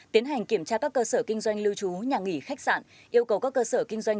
tiến hành kiểm tra các cơ sở kinh doanh lưu trú nhà nghỉ khách sạn yêu cầu các cơ sở kinh doanh